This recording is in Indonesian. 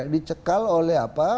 dicekal oleh apa